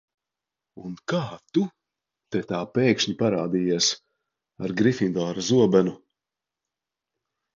Un kā tu te tā pēkšņi parādījies ar Grifidora zobenu?